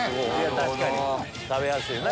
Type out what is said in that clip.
確かに食べやすいな。